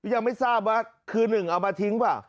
ยังไม่ทราบว่าคือหนึ่งเอามาทิ้งเปล่า